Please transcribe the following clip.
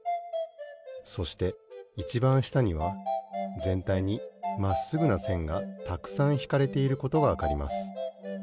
そしていちばんしたにはぜんたいにまっすぐなせんがたくさんひかれていることがわかります。